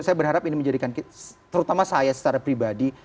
saya berharap ini menjadikan terutama saya secara pribadi